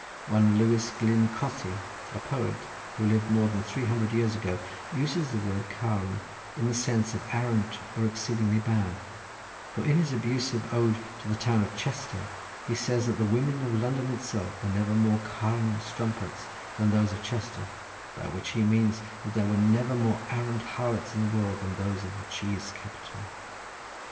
One Lewis Glyn Cothi, a poet, who lived more than three hundred years ago, uses the word carn in the sense of arrant or exceedingly bad, for in his abusive ode to the town of Chester, he says that the women of London itself were never more carn strumpets than those of Chester, by which he means that there were never more arrant harlots in the world than those of the cheese capital.